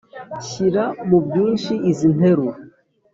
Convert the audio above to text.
Shyira mu bwinshi izi interuro